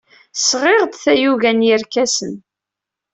Sɣiɣ-d tayuga n yerkasen.